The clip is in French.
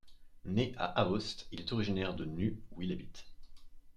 Né à Aoste, il est originaire de Nus, où il habite.